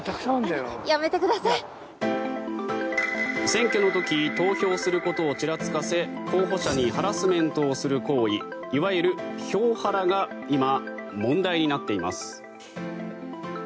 選挙の時投票することをちらつかせ候補者にハラスメントをする行為いわゆる票ハラが今、問題になっています。